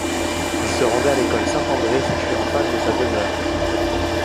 Il se rendait à l'école Saint-André située en face de sa demeure.